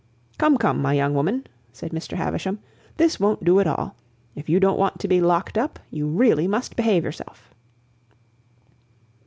"Come, come, my young woman," said Mr. Havisham. "This won't do at all. If you don't want to be locked up, you really must behave yourself."